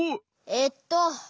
えっと。